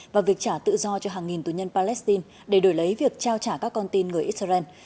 và việc trả tự do cho hàng nghìn tù nhân palestine để đổi lấy việc trao trả các con tin người israel